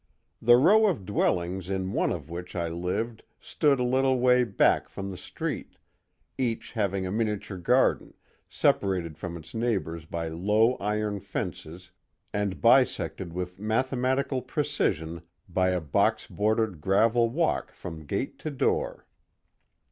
The row of dwellings in one of which I lived stood a little way back from the street, each having a miniature garden, separated from its neighbors by low iron fences and bisected with mathematical precision by a box bordered gravel walk from gate to door.